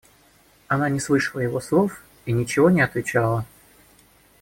Она не слышала его слов и ничего не отвечала.